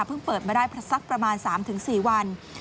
เพิ่งเปิดมาได้ประสักประมาณ๓๔วัน